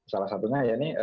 salah satunya ya ini